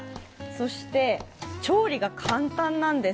そして、調理が簡単なんです。